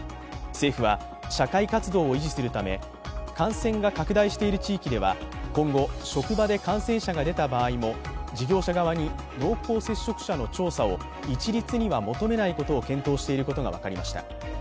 政府は社会活動を維持するため、感染が拡大している地域では今後、職場で感染者が出た場合も事業者側に濃厚接触者の調査を一律には求めないことを検討していることが分かりました。